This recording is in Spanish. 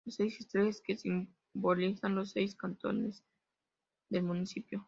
Seis estrellas: que simbolizan los seis cantones del municipio.